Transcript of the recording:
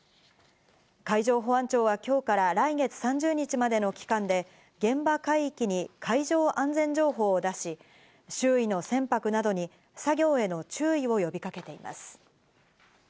海上保安庁は今日から来月３０日までの期間で現場海域に海上安全情報を出し、周囲の船舶などに作業への注意を呼びかけています。